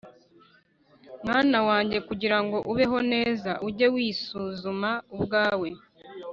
Mwana wanjye, kugira ngo ubeho neza, ujye wisuzuma ubwawe,